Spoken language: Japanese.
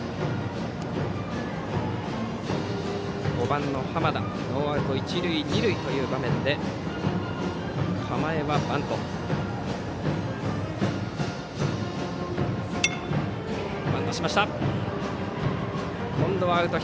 ５番の濱田ノーアウト、一塁二塁という場面構えはバント。